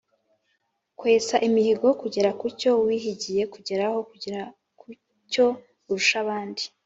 kwesa imihigo: kugera ku cyo wahigiye kugeraho, kugera ku cyo urusha abandi